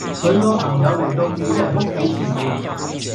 佢個朋友嚟到杞人屋企前面